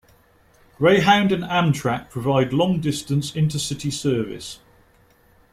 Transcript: Greyhound and Amtrak provide long-distance intercity service.